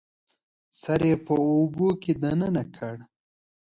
سر یې په اوبو کې دننه کړ